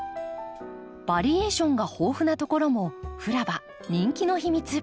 バリエーションが豊富なところもフラバ人気の秘密。